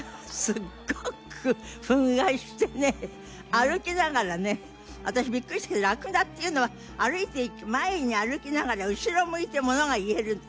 歩きながらね私ビックリしたけどラクダっていうのは前に歩きながら後ろを向いてものが言えるのね。